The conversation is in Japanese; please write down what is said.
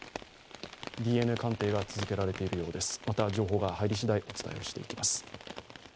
ＤＮＡ鑑定が続けられているようです。